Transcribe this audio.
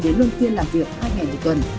đến luân phiên làm việc hai ngày từ tuần